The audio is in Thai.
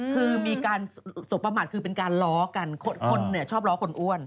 คือมีการสมประมาทคือเป็นการล้อกันคนเนี่ยชอบล้อคนอ้วน